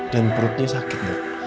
dan perutnya sakit